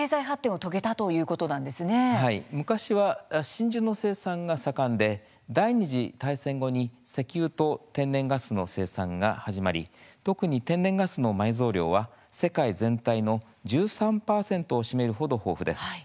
はい、昔は真珠の生産が盛んで第２次大戦後に石油と天然ガスの生産が始まり特に天然ガスの埋蔵量は世界全体の１３％を占める程豊富です。